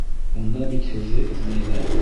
Унда бит һеҙҙе эҙләйҙәр.